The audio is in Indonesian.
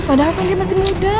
padahal kan dia masih muda